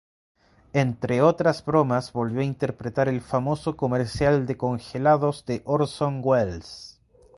Entre otras bromas, volvió a interpretar el famoso comercial de congelados de Orson Welles.